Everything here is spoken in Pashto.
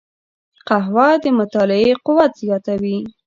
قهوه د مطالعې قوت زیاتوي